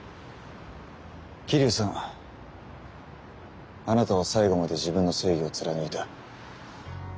桐生さんあなたは最後まで自分の正義を貫いた。